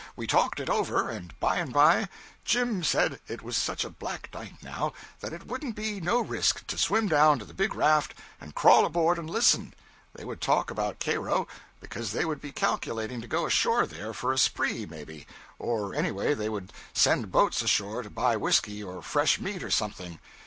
We talked it over, and by and by Jim said it was such a black night, now, that it wouldn't be no risk to swim down to the big raft and crawl aboard and listen they would talk about Cairo, because they would be calculating to go ashore there for a spree, maybe, or anyway they would send boats ashore to buy whiskey or fresh meat or something.